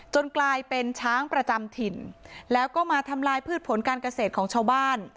กลายเป็นช้างประจำถิ่นแล้วก็มาทำลายพืชผลการเกษตรของชาวบ้าน